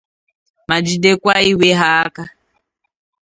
ma jidekwa iwe ha aka